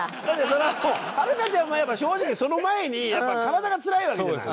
それはもうはるかちゃんは正直その前にやっぱ体がつらいわけじゃない。